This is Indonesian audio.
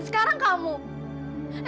sekarang kamu nggak mau disini ya